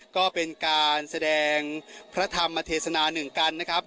ก็เป็นการแสดงพระธรรมเทศนาหนึ่งกันนะครับ